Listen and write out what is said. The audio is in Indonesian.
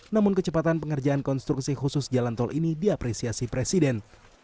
namun kecepatan pengerjaan konstruksi khusus jalan tol ini diapresiasi presiden